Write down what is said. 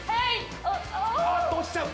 あーっと落ちちゃう！